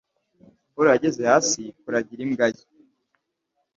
paul yageze hasi kuragira imbwa ye